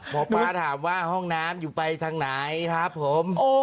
หมอป้าถามว่าห้องน้ำอยู่ไปทางไหนครับผม